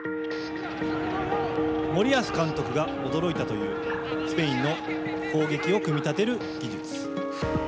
森保監督が驚いたというスペインの攻撃を組み立てる技術。